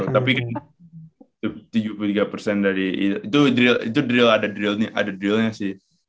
tapi tujuh puluh tiga dari itu drill itu drill ada drillnya sih